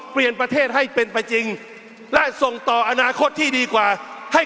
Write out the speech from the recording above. เปลี่ยนประเทศให้เป็นไปจริงและส่งต่ออนาคตที่ดีกว่าให้